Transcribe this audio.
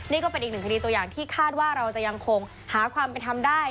นี่ก็เป็นอีกหนึ่งคดีตัวอย่างที่คาดว่าเราจะยังคงหาความเป็นธรรมได้